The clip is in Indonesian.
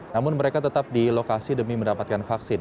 namun mereka tetap di lokasi demi mendapatkan vaksin